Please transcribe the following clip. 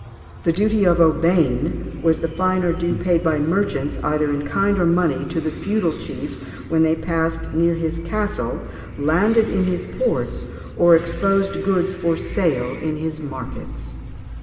The duty of aubaine was the fine or due paid by merchants, either in kind or money, to the feudal chief, when they passed near his castle, landed in his ports, or exposed goods for sale in his markets.